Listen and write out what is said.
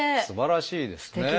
すばらしいですね。